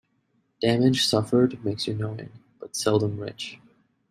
Damage suffered makes you knowing, but seldom rich.